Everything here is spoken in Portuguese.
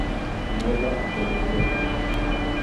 Remova as folhas de hortelã.